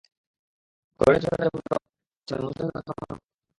হরিচরণেরা যেমন রক্তেরটানে দেশ ছাড়বেন, মধুসূদনেরাও তেমন রক্তের টানেই থেকে যাবেন।